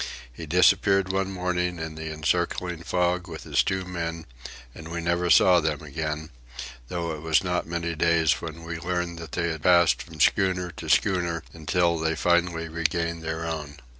He disappeared one morning in the encircling fog with his two men, and we never saw them again, though it was not many days when we learned that they had passed from schooner to schooner until they finally regained their own.